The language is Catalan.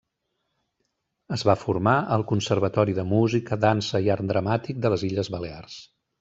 Es va formar al Conservatori de Música, dansa i Art dramàtic de les Illes Balears.